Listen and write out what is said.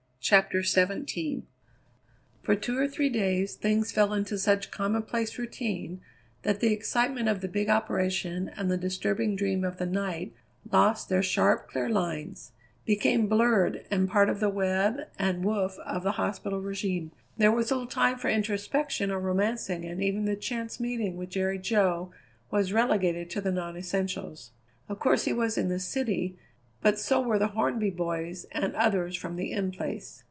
CHAPTER XVII For two or three days things fell into such commonplace routine that the excitement of the big operation and the disturbing dream of the night lost their sharp, clear lines; became blurred and part of the web and woof of the hospital régime. There was little time for introspection or romancing and even the chance meeting with Jerry Jo was relegated to the non essentials. Of course he was in the city, but so were the Hornby boys and others from the In Place.